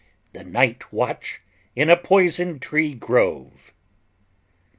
The Night watch in a Poison tree Grove.